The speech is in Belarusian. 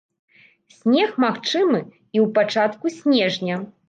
Снег магчымы і ў пачатку снежня.